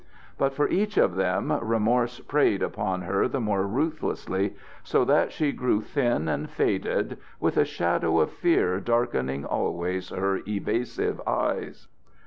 But for each of them remorse preyed upon her the more ruthlessly, so that she grew thin and faded, with a shadow of fear darkening always her evasive eyes.